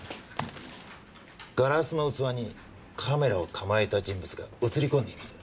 ガラスの器にカメラを構えた人物が映り込んでいます。